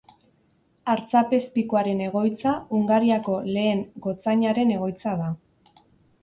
Artzapezpikuaren egoitza, Hungariako lehen gotzainaren egoitza da.